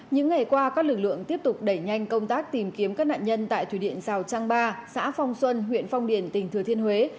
những ngày qua các lực lượng tiếp tục đẩy nhanh công tác tìm kiếm các nạn nhân tại thủy điện rào trăng ba xã phong xuân huyện phong điền tỉnh thừa thiên huế